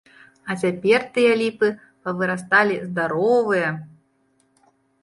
А цяпер тыя ліпы павырасталі здаровыя!